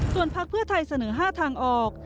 ส่วนพักเพื่อไทยเสนอ๕ทางออก